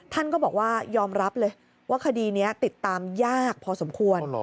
ท่านก็บอกว่ายอมรับเลยว่าคดีนี้ติดตามยากพอสมควร